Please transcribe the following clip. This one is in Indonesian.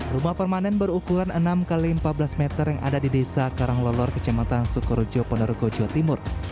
rumah permanen berukuran enam x empat belas meter yang ada di desa karanglolor kecamatan sukorojo ponorogo jawa timur